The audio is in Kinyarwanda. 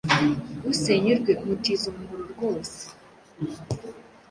Usenya urwe umutiza umuhoro rwose”.